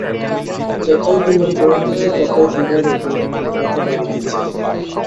যতই বিলম্ব হইতেছে, ততই বিভার অধীরতা বাড়িতেছে।